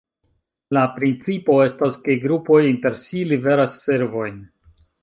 La principo estas ke grupoj inter si liveras servojn.